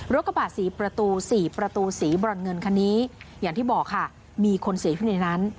กระบาดสี่ประตูสี่ประตูสีบรอนเงินคันนี้อย่างที่บอกค่ะมีคนเสียชีวิตในนั้น